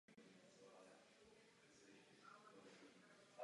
Na Dukle se hráči dařilo.